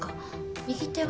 右手は。